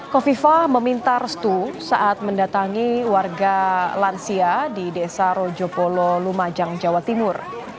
kofifa meminta restu saat mendatangi warga lansia di desa rojobolo lumajang jawa timur